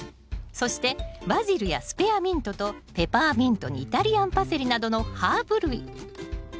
そしてバジルやスペアミントとペパーミントにイタリアンパセリなどのハーブ類。